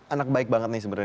anak baik banget nih sebenarnya